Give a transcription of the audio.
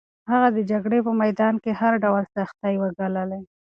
هغه د جګړې په میدان کې هر ډول سختۍ وګاللې.